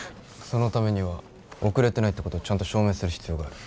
そのためには遅れてないってことをちゃんと証明する必要がある。